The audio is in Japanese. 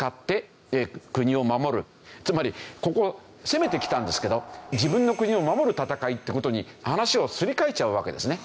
つまりここ攻めてきたんですけど自分の国を守る戦いって事に話をすり替えちゃうわけですね。